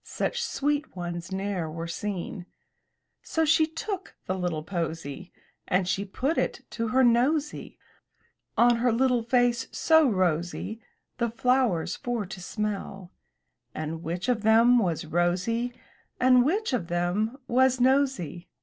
Such sweet ones ne'er were seen/' So she took the little posy, And she put it to her nosy, On her little face so rosy, The flowers for to smell; And which of them was Rosy, And which of them was nosy.